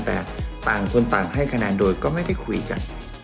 แต่ต่างคนต่างให้คะแนนโดยก็ไม่ได้คุยกัน